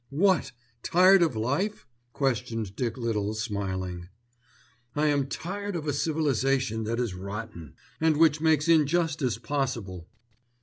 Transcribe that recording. "What! Tired of life?" questioned Dick Little smiling. "I am tired of a civilization that is rotten, and which makes injustice possible."